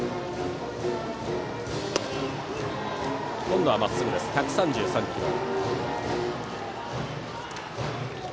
今度はまっすぐ、１３３キロ。